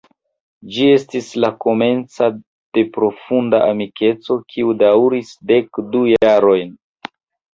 Ĝi estis la komenco de profunda amikeco kiu daŭris dek du jarojn.